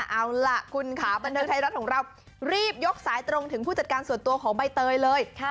เอาล่ะคุณค่ะบันเทิงไทยรัฐของเรารีบยกสายตรงถึงผู้จัดการส่วนตัวของใบเตยเลย